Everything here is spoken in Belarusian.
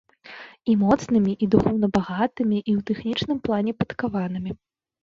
І моцнымі, і духоўна багатымі, і ў тэхнічным плане падкаванымі.